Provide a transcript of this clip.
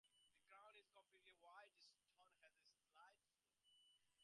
The crown is completely white stone and has a slight slope.